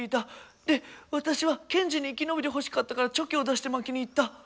で私はけんじに生き延びてほしかったからチョキを出して負けにいった。